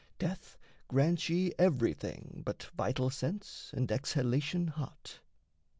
Death grants ye everything, But vital sense and exhalation hot.